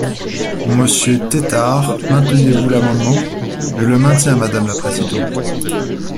Monsieur Tétart, maintenez-vous l’amendement ? Je le maintiens, madame la présidente.